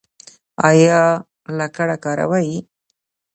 ایا لکړه کاروئ؟